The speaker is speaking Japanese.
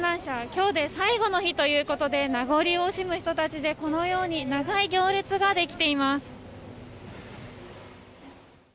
今日で最後ということで名残を惜しむ人たちでこのように長い行列ができています。